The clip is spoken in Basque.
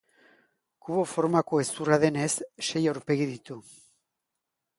Kubo formako hezurra denez, sei aurpegi ditu.